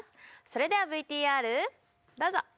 それではＶＴＲどうぞ！